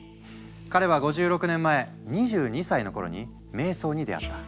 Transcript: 彼は５６年前２２歳の頃に瞑想に出会った。